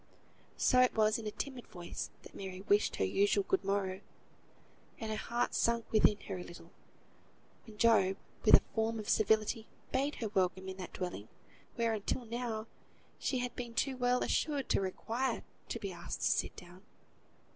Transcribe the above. So it was in a timid voice that Mary wished her usual good morrow, and her heart sank within her a little, when Job, with a form of civility, bade her welcome in that dwelling, where, until now, she had been too well assured to require to be asked to sit down.